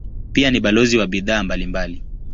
Pia ni balozi wa bidhaa mbalimbali.